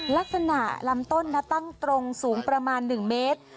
ลักษณะลำต้นตั้งตรงสูงประมาณ๑เมตร